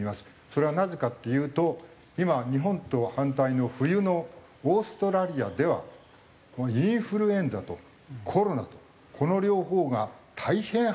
それはなぜかっていうと今は日本と反対の冬のオーストラリアではインフルエンザとコロナとこの両方が大変はやってると。